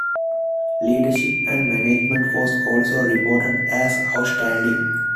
Leadership and management was also reported as 'Outstanding'.